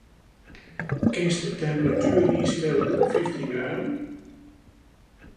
Kinst de temperatuer ynstelle op fyftjin graden?